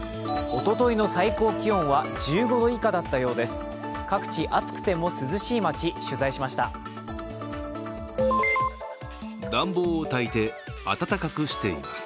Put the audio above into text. おとといの最高気温は１５度以下だったようです。